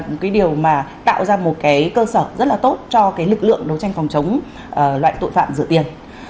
một cái điều mà tạo ra một cái cơ sở rất là tốt cho cái lực lượng đấu tranh phòng chống loại tội phạm rửa tiền